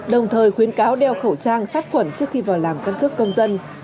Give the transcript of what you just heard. đồng thời khuyến cáo đeo khẩu trang sát khuẩn trước khi vào làm căn cước công dân